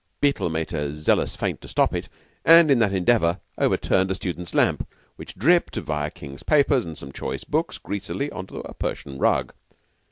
Beetle made zealous feint to stop it, and in that endeavor overturned a student's lamp, which dripped, via King's papers and some choice books, greasily on to a Persian rug.